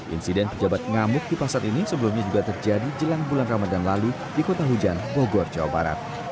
insiden pejabat ngamuk di pasar ini sebelumnya juga terjadi jelang bulan ramadan lalu di kota hujan bogor jawa barat